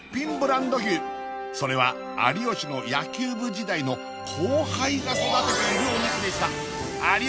それは有吉の野球部時代の後輩が育てているお肉でした有吉